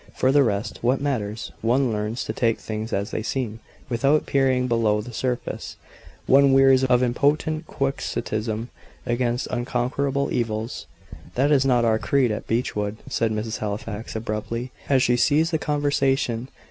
For the rest, what matters? One learns to take things as they seem, without peering below the surface. One wearies of impotent Quixotism against unconquerable evils." "That is not our creed at Beechwood," said Mrs. Halifax, abruptly, as she ceased the conversation.